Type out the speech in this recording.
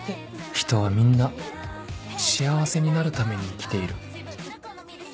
人はみんな幸せになるために生きている